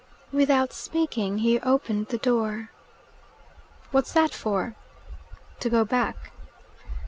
Without speaking he opened the door. "What's that for?" "To go back."